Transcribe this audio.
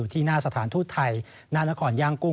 ที่หน้าสถานทูตไทยหน้านครย่างกุ้